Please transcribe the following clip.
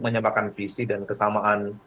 menyambarkan visi dan kesamaan